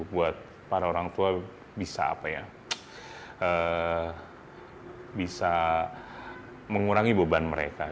buat para orang tua bisa apa ya bisa mengurangi beban mereka